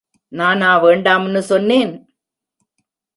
நானா வேண்டாமுன்னு சொன்னேன்.